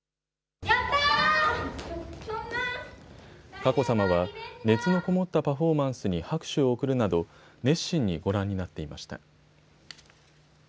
佳子さまは熱のこもったパフォーマンスに拍手を送るなど熱心にご覧になっていました。